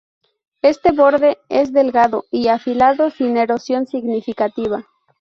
Este borde es delgado y afilado, sin erosión significativa.